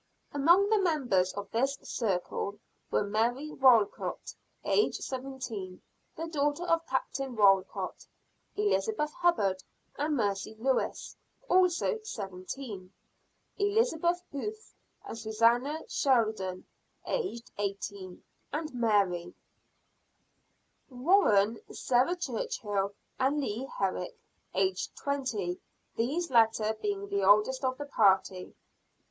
Among the members of this "circle" were Mary Walcott, aged seventeen, the daughter of Captain Walcott; Elizabeth Hubbard and Mercy Lewis, also seventeen; Elizabeth Booth and Susannah Sheldon, aged eighteen; and Mary Warren, Sarah Churchhill and Leah Herrick, aged twenty; these latter being the oldest of the party.